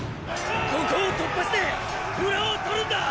ここを突破して裏を取るんだ！